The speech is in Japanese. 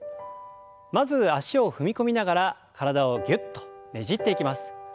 まず脚を踏み込みながら体をぎゅっとねじっていきます。